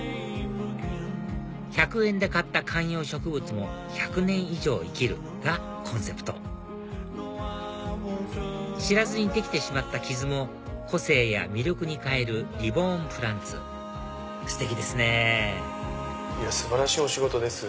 「１００円で買った観葉植物も１００年以上生きる」がコンセプト知らずにできてしまった傷も個性や魅力に変えるリボーンプランツステキですね素晴らしいお仕事です